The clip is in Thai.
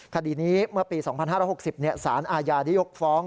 คดีนี้เมื่อปี๒๕๖๐สารอาญาได้ยกฟ้อง